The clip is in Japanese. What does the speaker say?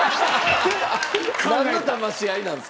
なんのだまし合いなんですか？